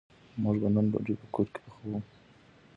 موږ به نن ډوډۍ په کور کی پخوو